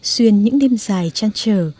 xuyên những đêm dài trang trở